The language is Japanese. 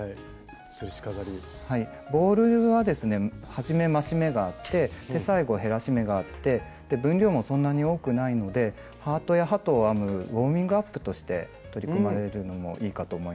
ボールはですね初め増し目があって最後減らし目があって分量もそんなに多くないのでハートや鳩を編むウォーミングアップとして取り組まれるのもいいかと思います。